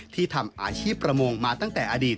ทำอาชีพประมงมาตั้งแต่อดีต